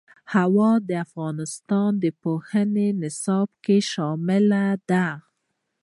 هوا د افغانستان د پوهنې نصاب کې شامل دي.